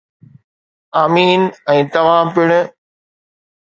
آمين ...۽ توهان پڻ.